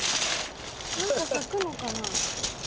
何か咲くのかな。